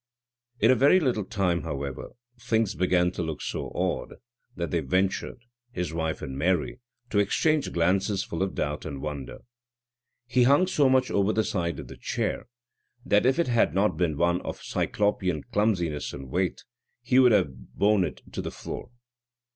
In a very little time, however, things began to look so odd, that they ventured, his wife and Mary, to exchange glances full of doubt and wonder. He hung so much over the side of the chair, that if it had not been one of cyclopean clumsiness and weight, he would have borne it to the floor.